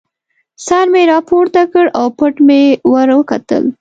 سر مې را پورته کړ او پټ مې ور وکتل.